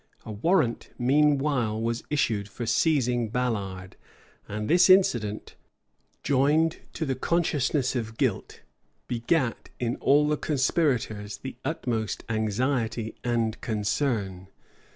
A warrant, meanwhile, was issued for seizing Ballard; and this incident, joined to the consciousness of guilt, begat in all the conspirators the utmost anxiety and concern.